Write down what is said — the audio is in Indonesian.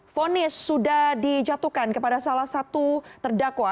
fonis sudah dijatuhkan kepada salah satu terdakwa